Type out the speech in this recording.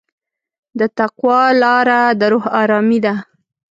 د تقوی لاره د روح ارامي ده.